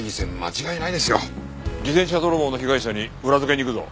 自転車泥棒の被害者に裏付けに行くぞ。